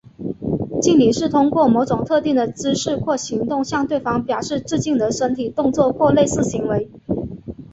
敬礼是通过某种特定的姿势或行动向对方表示致敬的身体动作或类似行为。